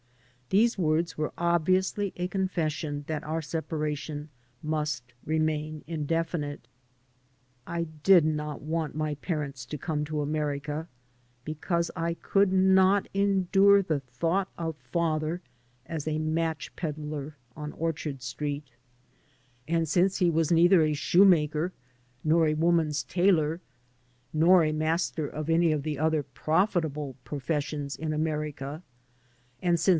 These words were obviously a confes sion that our separation must remain indefinite. I did not want my parents to come to America, because I could not endure the thought of father as a match peddler on Orchard Street; and since he was neither a 86 HOW DO YOU LIKE AMERICA?'^ shoemaker nor a woman's tailor nor a master of any of the other profitable professions in America, and since.